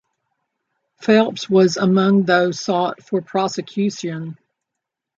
Phelps was among those sought for prosecution.